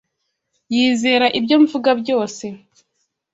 Yizera ibyo mvuga byose.